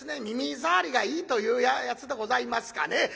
耳ざわりがいいというやつでございますかね。